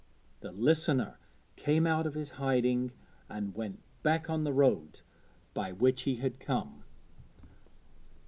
The listener came out of his hiding and went back on the road by which he had come.